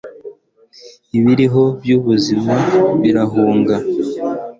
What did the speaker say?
Ibiriho byubuzima birahunga